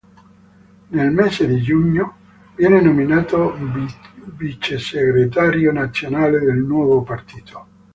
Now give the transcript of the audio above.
Nel mese di giugno viene nominato vicesegretario nazionale del nuovo partito.